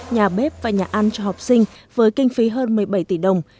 nhà bếp và nhà ăn cho học sinh với kinh phí hơn một mươi bảy tỷ đồng